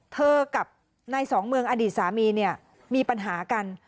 เธอกับนายสองเมืองอดีตสามีเนี่ยมีปัญหากัน